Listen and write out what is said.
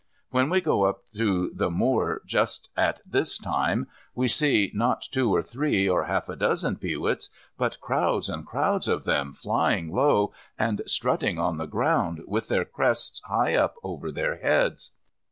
When we go up to the moor just at this time, we see not two or three or half a dozen peewits, but crowds and crowds of them flying low, and strutting on the ground, with their crests high up over their heads.